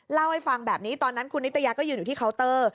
เล่าให้ฟังแบบนี้ตอนนั้นคุณนิตยาก็ยืนอยู่ที่เคาน์เตอร์